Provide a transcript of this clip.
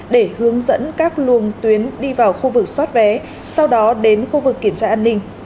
để hướng dẫn các luồng tuyến đi vào khu vực xoát vé sau đó đến khu vực kiểm tra an ninh